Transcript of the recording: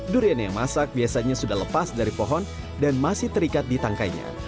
durian yang masak biasanya sudah lepas dari pohon dan masih terikat di tangkainya